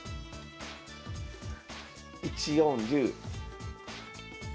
１四竜。